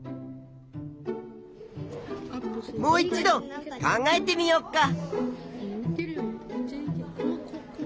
もう一度考えてみよっか！